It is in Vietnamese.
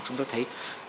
chúng ta thấy